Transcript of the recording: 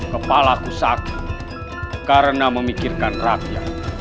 kepalaku sakit karena memikirkan rakyat